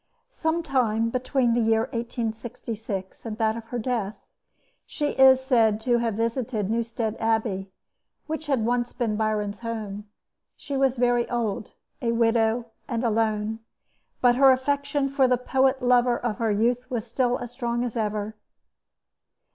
Some time between the year 1866 and that of her death, she is said to have visited Newstead Abbey, which had once been Byron's home. She was very old, a widow, and alone; but her affection for the poet lover of her youth was still as strong as ever.